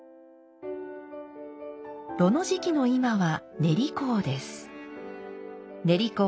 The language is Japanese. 炉の時期の今は練香です。